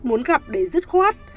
muốn gặp để rứt khoát